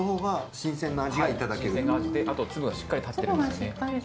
新鮮な味であと粒がしっかり立ってるんですよね。